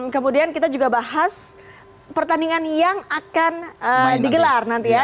kemudian kita juga bahas pertandingan yang akan digelar nanti ya